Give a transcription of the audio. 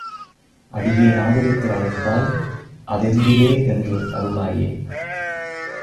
அடியேன் ஆதரித்து அழைத்தால் அதெந்துவே என்று அருளாயே!